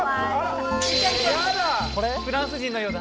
フランス人のようだ。